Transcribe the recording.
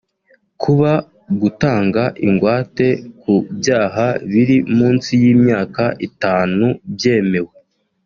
Kuba gutanga ingwate ku byaha biri munsi y’imyaka itanu byemewe